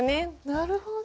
なるほど。